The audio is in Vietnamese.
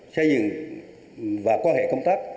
xây dựng và quan hệ công tác